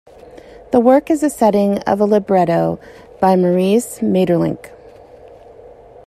The work is a setting of a libretto by Maurice Maeterlinck.